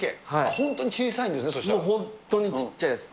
本当に小さいんもう本当にちっちゃいです。